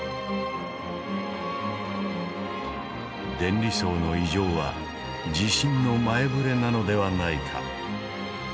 電離層の異常は地震の前触れなのではないか。